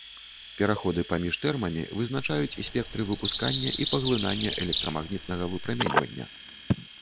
Пераходы паміж тэрмамі вызначаюць спектры выпускання і паглынання электрамагнітнага выпраменьвання.